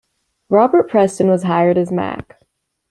Robert Preston was hired as Mack.